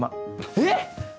えっ⁉